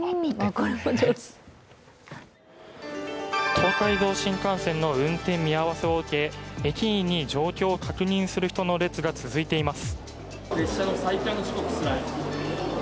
東海道新幹線の運転見合わせを受け駅員に状況を確認する人の列が続いています。